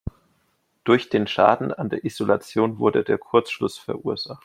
Durch den Schaden an der Isolation wurde der Kurzschluss verursacht.